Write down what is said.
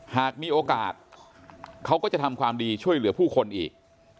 หากมีโอกาสเขาก็จะทำความดีช่วยเหลือผู้คนอีก